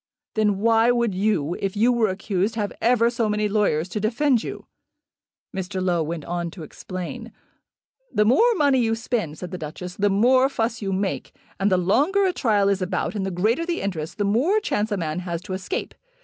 "Then why would you, if you were accused, have ever so many lawyers to defend you?" Mr. Low went on to explain. "The more money you spend," said the Duchess, "the more fuss you make. And the longer a trial is about and the greater the interest, the more chance a man has to escape.